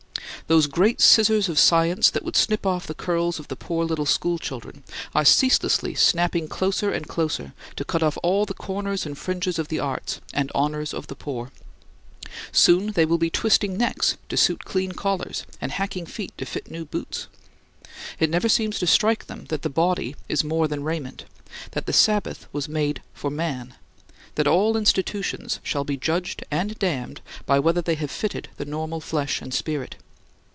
Those great scissors of science that would snip off the curls of the poor little school children are ceaselessly snapping closer and closer to cut off all the corners and fringes of the arts and honors of the poor. Soon they will be twisting necks to suit clean collars, and hacking feet to fit new boots. It never seems to strike them that the body is more than raiment; that the Sabbath was made for man; that all institutions shall be judged and damned by whether they have fitted the normal flesh and spirit.